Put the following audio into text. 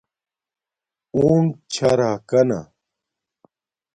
اونٹ چھا راکانا